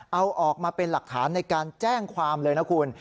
เอาออกมาเป็นหลักฐานในการแจ้งความเลยนะคุณ